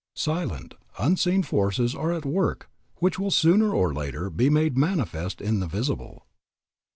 Silent, unseen forces are at work which will sooner or later be made manifest in the visible.